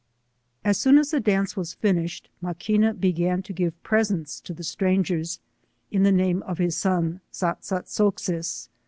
As soon as the dance was finished, Maquina be gan to give presents to the strangers, in the name of his son Sat sat sok ais.